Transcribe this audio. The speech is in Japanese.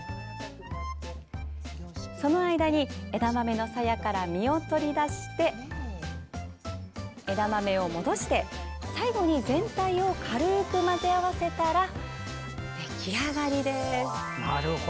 その間に枝豆のさやから実を取り出して枝豆を戻して最後に全体を軽く混ぜ合わせたら出来上がりです！